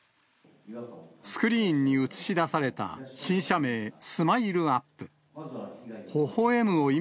スクリーンに映し出された新社名、スマイルアップ。